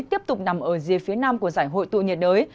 tiếp tục nằm ở rìa phía nam của giải hội tụ nhiệt đới